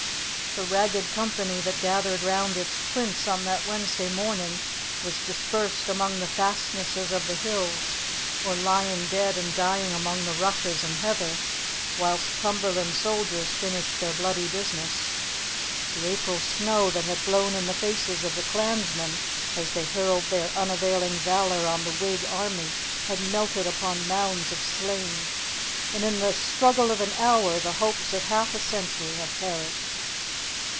The ragged company that gathered round its Prince on that Wednesday morning was dispersed among the fastnesses of the hills, or lying dead and dying among the rushes and heather, whilst Cumberland's soldiers finished their bloody business; the April snow that had blown in the faces of the clansmen as they hurled their unavailing valour on the Whig army had melted upon mounds of slain, and in the struggle of an hour the hopes of half a century had perished.